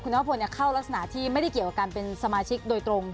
นวพลเข้ารักษณะที่ไม่ได้เกี่ยวกับการเป็นสมาชิกโดยตรง